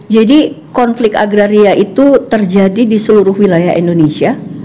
jadi konflik agraria itu terjadi di seluruh wilayah indonesia